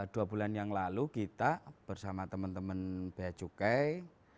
dua bulan yang lalu kita bersama teman teman beacukai